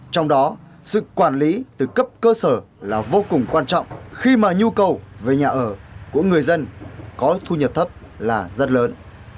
trong đó sự quản lý từ cấp cơ sở là vô cùng quan trọng khi mà nhu cầu về nhà ở của người dân có thu nhập thấp là rất lớn